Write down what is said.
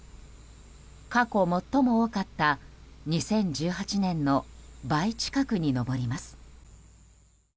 過去、最も多かった２０１８年の倍近くに上ります。